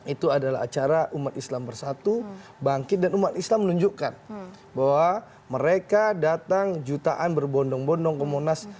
itu adalah acara umat islam bersatu bangkit dan umat islam menunjukkan bahwa mereka datang jutaan berbondong bondong ke monas